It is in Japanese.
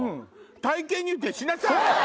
体験入店しなさい！